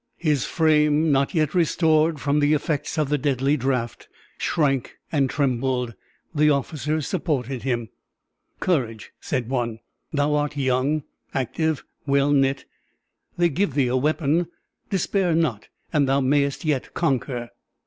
His frame, not yet restored from the effects of the deadly draught, shrank and trembled. The officers supported him. "Courage!" said one; "thou art young, active, well knit. They give thee a weapon! despair not, and thou mayst yet conquer."